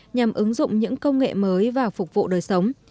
nhằm ứng dụng những công nghệ mới vào phục vụ đời sống